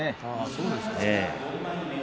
そうなんですね。